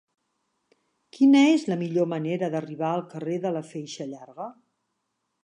Quina és la millor manera d'arribar al carrer de la Feixa Llarga?